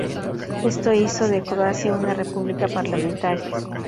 Esto hizo de Croacia una república parlamentaria.